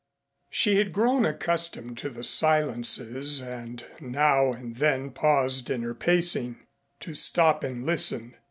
She had grown accustomed to the silences and now and then paused in her pacing to stop and listen.